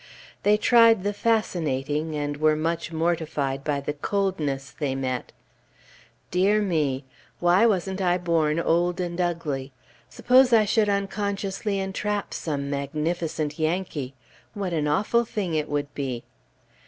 They tried the fascinating, and were much mortified by the coldness they met. Dear me! "Why wasn't I born old and ugly?" Suppose I should unconsciously entrap some magnificent Yankee! What an awful thing it would be!!